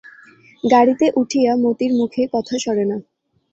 গাড়িতে উঠিয়া মতির মুখে কথা সরে না।